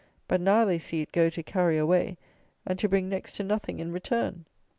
But now they see it go to carry away, and to bring next to nothing in return.